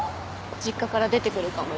実家から出てくるかもよ。